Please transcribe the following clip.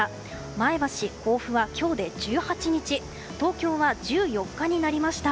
前橋、甲府は今日で１９日東京は１４日になりました。